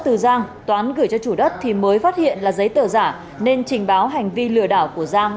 từ giang toán gửi cho chủ đất thì mới phát hiện là giấy tờ giả nên trình báo hành vi lừa đảo của giang